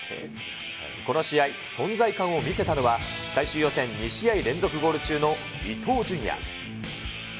この試合、存在感を見せたのは、最終予選２試合連続ゴール中の伊東純也。